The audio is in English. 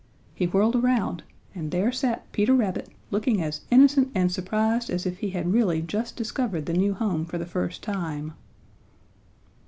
He whirled around and there sat Peter Rabbit looking as innocent and surprised as if he had really just discovered the new home for the first time.